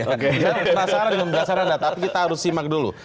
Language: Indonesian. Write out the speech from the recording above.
saya penasaran dengan basara tapi kita harus simak dulu